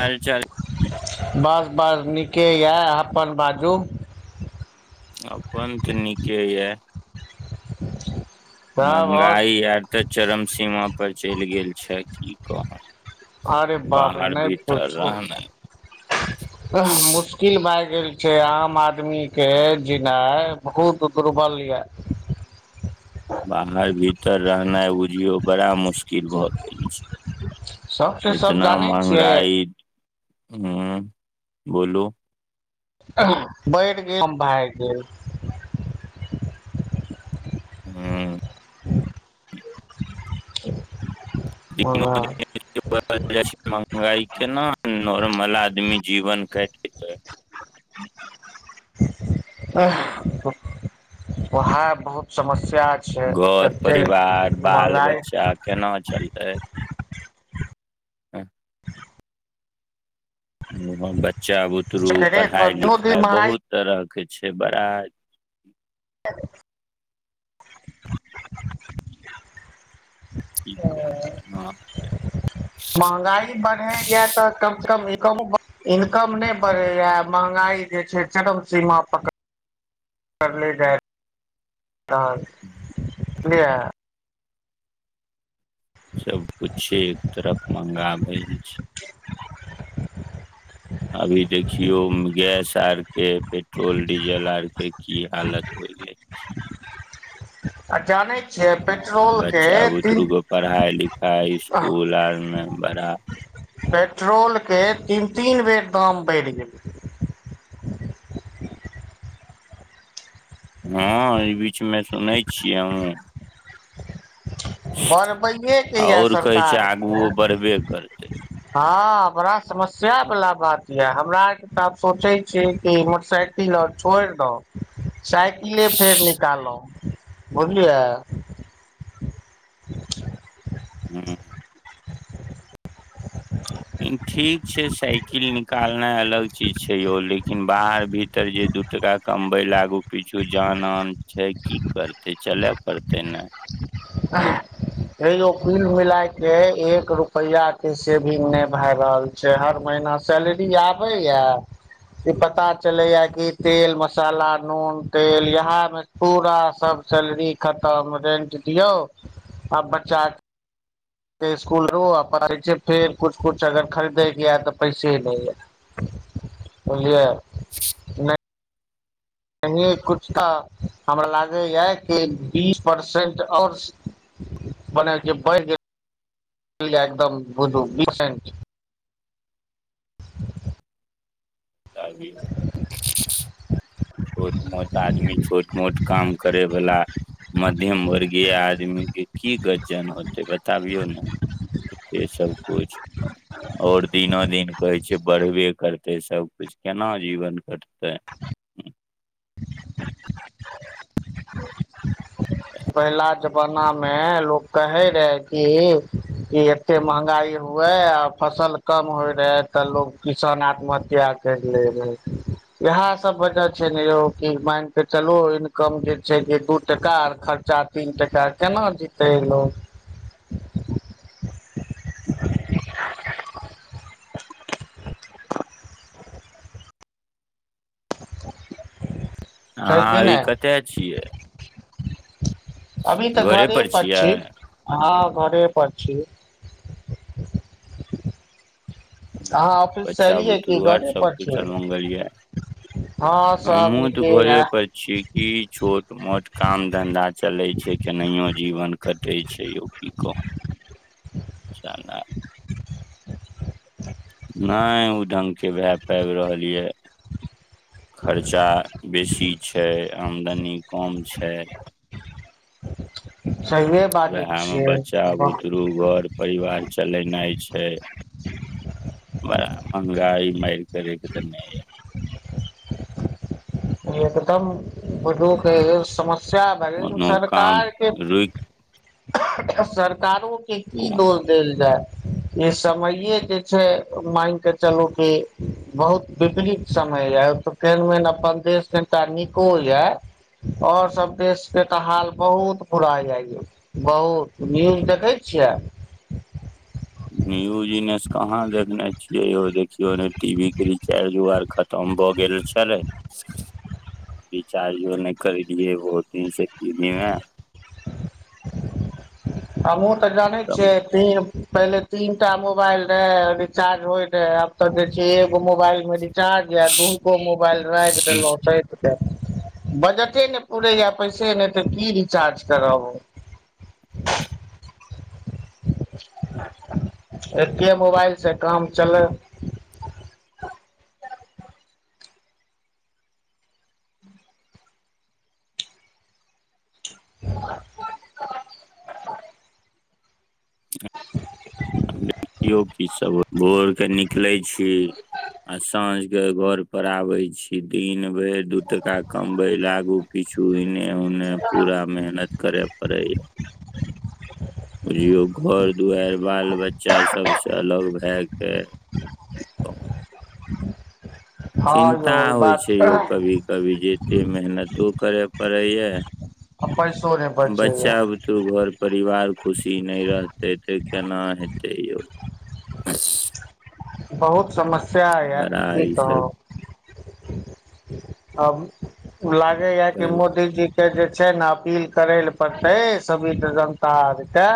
हाल चाल [unintelligible] नि के या अपन बाजु। अपन ते नीके या। सब आओर महंगाई आब ते चरम सीमा पर चैल गेल छैथ की कहु। आरे बाप रे ने पुछु रहनाइ मुश्किल भाय गेल छै आम आदमी के जीनाय बहुत दुर्बल या। बाहर भी तर रहनाय बुझियौ बड़ा मुश्किल भऽ गेल छै। सब से सब जानै छियै। ह्म्म बोलु। अह बैढ गेल, [unintelligible] भाग गेल। ह्म्म। [unintelligible] दिनो दिन महंगाई [unintelligible] केना नॉर्मल आदमी जीवन काटतै। अह उहाए बहुत समस घर, परिवार, बाल महगाई बच्चा केना चलतै। एं। वहां बच्चा, बुतरु पढ़ाय, दिनो दिन लिखाय महगाई बहुत तरह के छै बड़ाए [unintelligible] [unintelligible] त महंगाई बढ़े या तऽ कम से कम ए कम इनकम ने बढ़ै या महंगाई जे छै चरम सीमा पकड़ले जाय रहल छै। [unintelligible] सबकुछ एक तरफ मंगा भै [unintelligible] अभी देख छियौ गैस आरके पेट्रोल डीजेल आरके की हालत हो गेल छै। ह आ जानै छिय पेट्रोल के बच्चा बुतरू के पढ़ाइ लिखाइ इसकुल आर मे बड़ा पेट्रोल के तीन तीन बेर दाम बढ़ि गेलै। हँ ई भी। किछमे सुनैत छिय हमहूँ। बढ़बैए के यए आओर कहै छै सरकार के आगुओ बढ़बे करबै। हँ बड़ा समस्या बला बात यऽ हमरा आरके तऽ आब सोचै छ कि मोटरसाइकिल आओर छोईड़ दऊ। साइकिले फेर निकालहुं। बुझलियै। [unintelligible] हँ हन। ठीक छै साइकिल निकाल। नाय अलग चीज छै यौ। िन बाहर भी तर जे दू टका कम। बैल आगू पिछु जान आन छै की करतै चले पड़तै ने। आह। हेलो। कुल मिलाय के एक रुपया के सेविंग नै भै रहल छै हर महीना सैलरी आबे य ई पता चले या कि तेल मसाला नून तेल यहा मे पूरा सब सैलरी खतम रेंट। दियौ आब बच्चाक। इसकुल रहू आ पै छै फेर किछु किछु अगर खरीदयके यए तऽ पैसे ही नहि यए बुझलियै नहि। नहीए कुछ तऽ हमरा लागैए कि बीस परसेन्ट आओर मने जे बढ़ जेते। [unintelligible] एकदम बुझू। [unintelligible] [unintelligible] [unintelligible] मोट आदमी छोट मोट काम करे वला मध्यम वर्गीय आदमी के की गजन होते बताबियौ ने से सब। कुछ और दिनो दिन। कहै छै बढ़बे करतै सबकुछ केना जीवन कटतै। [unintelligible] [unintelligible] मे लोग कहे रहे की ई एते महगाई हुए आ फसल कम होय रहे तऽ लोग किसान आत्महत्या कर लै रहे इहा सब वजह छै ने यौ कि मायन क चलु इनकम जे छै दू टका और खच चा तीन टका केना जीतै लोग। [unintelligible] हँ छै कि आरि नहि कत्तऽ छियै अभी तऽ घरे पर पड़ छियै छी घरे पर छी अहाँ ऑफिस से बच्चा एलियै कि बुतरु आर घरे सब पर छी कुशलमंगल यऽ हँ सब हमहहुँ तऽ नीके घरे य पर छीय की छोट मोट काम धन्धा चलै छै केनेहयौ जीवन कटै छै यौ की कहू च नहि ओ ढंगगके भए पाबि रहल यऽ खर्चा बेसी छै आमदनी की कम छै सहिए बाजै उएहमे बच्चा छियै वाह बुतरू घर परिवार चलेनाइ छै बड़ा महँगाइ मारि कऽ राखि देने यए एकदम बदूक है य समस सएह भ कोनो काम सरकार के रुकि सरकार ओ के की दोष देल जाय ई समैये जे छै मानिकऽ चलू कि बहुत विपरीत समय यऽ त केहन मेन अपन देश कनि नीको यऽ आओर सभ देशके तऽ हाल बहुत पुरा जाइ बहुत न्यूज देखै छियै न्यूज इनेस कहाँ देखने छियै यौ देखियौ ने टीवी के रिचार्ज ओ आर खतम भऽ गेल छलै रिचार्जो नहि करेलियै बहुत दिनसँ टीवी मे हमहू तऽ जानै छै तब ती पहिले तीनटा मोबाइल रहे रिचार्ज होय रहे आब तऽ देखिये एगो मोबाइल में चार्ज य दुूनुको मोबाइल राखि देलों छै बजटे नहि पूुरैए पैसे नहि तऽ की रिचार्ज करब। एक्के मोबाइलसँ काम चलय। [unintelligible] [unintelligible] कियो की सब भोर के निकले छै। क आ साँझ घर पर आबे छी दिन भेल दू टका कम भेलै आगू किछु ज उने पूरा मेहनत करे पड़ै य [unintelligible] बुझियौ घर दुआरि बाल बच्चा सभसँ अलग भए कऽ की कहब। हँ चिन्ता यौ ई होइ छै बात यो आ कभी- कभी जेत मेहनतो करै। पढैयै। पैसो नहि आ बच्चा बचैया बुतू घर परिवार खुशी नहि रहतै तऽ केना हेतै यौ। अच्छ बहुत समस साएह या की ई सब कहब अब। लागे या की कर मोदीजी के जे छै ने अपील करैलए पड़तै सभी तऽ जनता आरके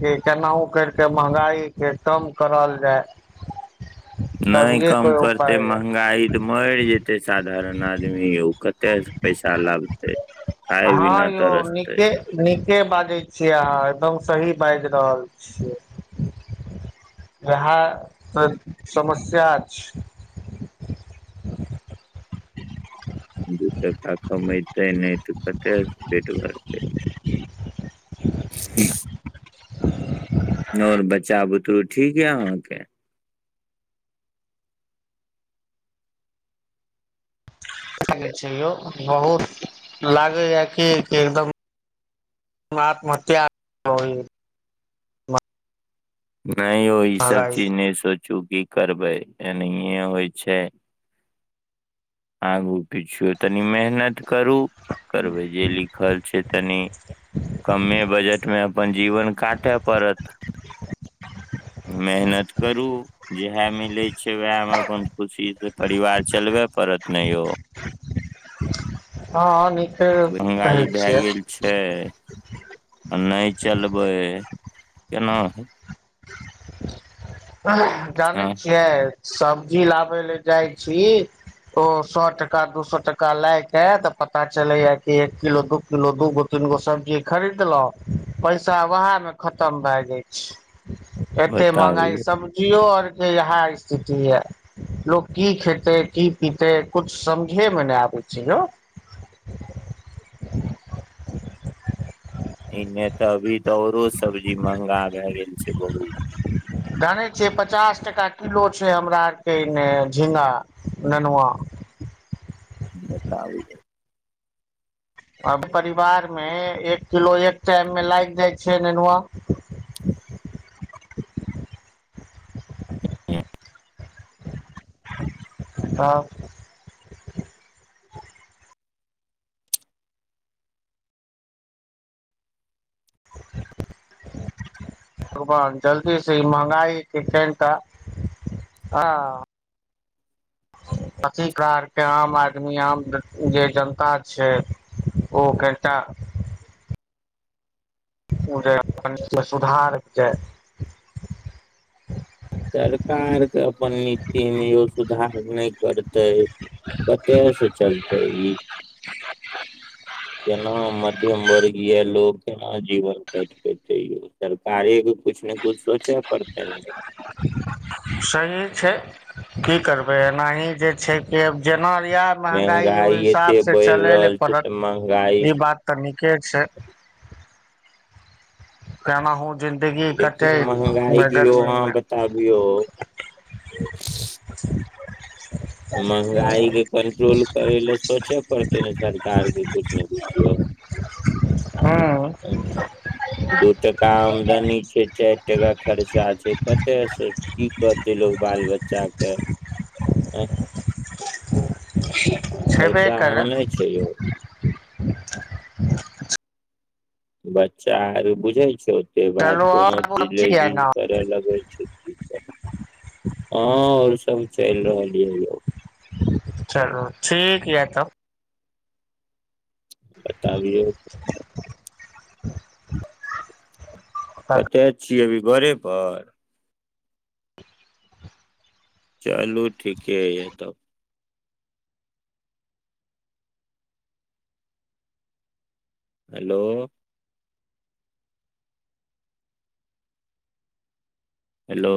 कि केनाहु केरके महंगाई के कम करल जाय। ने तभिये कम कोइ करते उपाय य महंगाई ते मैर जेतै सा धारण आदमी यौ। कते से पैसा लाबते खाय हाँ बिना यौ तरसते नीके नीके बाजै छियै अहाँ एकदम सही बाज रहल छिये, उहाए ते समस्या छै। दू टका कमे ते ने ते कता से पेट भरते। और बच्चा बुतरू ठीक या अहाँ के। ठीके छै यौ बहुत लागै या कि एकदम आत्महत्या [unintelligible] ने यौ ई सब महगाई चीज ने सो चु की करबै एनैये होय छै। आगु पिछुए तनी मेहनत करू करबै जे लिखल छै तनि कमे बजट मे अपन जीवन काटे पड़त, मेहनत करू जेहा मिलै छै, उहाए मे अपन खुशी से परिवार चलबै नै यौ। हाँ नि महंगाई भाए गेल छै आ नै चलबै केना हय। जानै छियै। सब्जी ला बै ले जाय छी। ओ सौ टका दूसौ टका लए के तऽ पता चलै या कि एक किलो, दू किलो दूगो, तीनगो सब्जी खरीदलौ पैसा उहाए मे खतम भाय जाय छै। एते बताबु महंगाई यौ [unintelligible] यौ आर के इहा स्थिति या, लोक की खैएते, की पीते कुछ समझे मे ने आबे छै यौ। इन्ने तऽ अभी तऽ औरो सब्जी महंगा भाए गेल छै बहुत। जानै छियै पचास टका किलो छै हमरा आर के इन्ने झींगा, ननुआ। बताबियौ। अ परिवार मे एक किलो एक टाइम मे लाग जाय छै नेनुआ तब। भगवान जल्दी से ई महँगाई के कनटा हाँ अथी कार फेर आम आदमी आम जे जनता छै ओ कनटा ओ जेय अपनसँ सुधार जय सरकार के अपन नीति मे यौ सुधार नहि करतै कतय से चलतै ई, केना मध्यम वर्ग या लोग केना जीवन काटि पयतै यौ सरकारे कुछ ने कुछ सोचे पड़ते न। सही छै। की करबै, एनाही जे छै किब जेना दिया महंगाई ओ एते हिसाब से बढ़ि चलै ल रहल छै पड़त तऽ महंगाई ई बात त न के छै कना हु जिन्दगी कटे लेकिन महंगाई मे के यौ गर्मी अहाँ मे बताबियौ महंगाई के कंट्रोल करै लए सोचे पड़तै ने सरकार के किछ ने किछ। हूँ ह। दू टाका आमदनी छै चारि टाका खर्चा छै, कतयसँ की कहतै लोक बाल बच्चा के ओ [unintelligible] खर्चा करै मानै छैयौ बच्चा बुझाय छ के बात चलू कोनो आओर सब चीजवे ठीक यऽ जिद ने करे लगे छै, हँ र सब चलि रहल ययौ। चलू ठीक य तब। बताबियौ [unintelligible] कते की अभी घरे पर चलू ठीके यै तब। हेलो। हेलो।